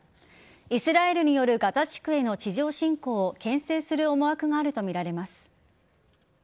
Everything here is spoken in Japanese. イスラエルによるガザ地区への地上侵攻をけん制する思惑があるとみられます。